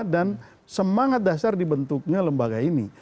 dan semangat dasar dibentuknya lembaga ini